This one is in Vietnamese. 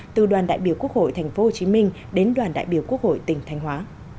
từ đoàn đại biểu quốc hội tp hcm đến đoàn đại biểu quốc hội tỉnh thanh hóa